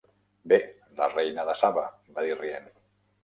"Bé, la Reina de saba!", va dir, rient.